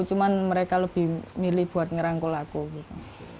cuma mereka lebih milih buat ngerangkul aku gitu